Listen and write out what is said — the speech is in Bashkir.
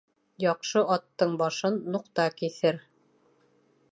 Яҡшы аттың башын нуҡта киҫер.